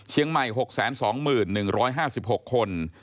เชียงใหม่๖๒๐๑๕๖คน